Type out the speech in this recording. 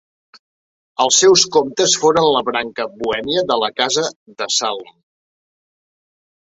Els seus comtes foren la branca bohèmia de la casa de Salm.